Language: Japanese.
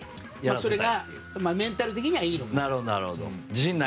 それがメンタル的にはいいのかなと。